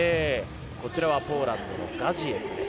こちらはポーランドのガジエフです。